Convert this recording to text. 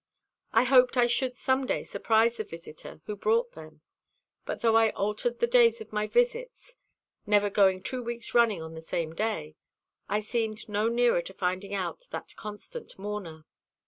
I hoped I should some day surprise the visitor who brought them; but though I altered the days of my visits, never going two weeks running on the same day, I seemed no nearer finding out that constant mourner.